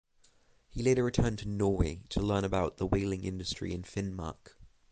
He later returned to Norway to learn about the whaling industry in Finnmark.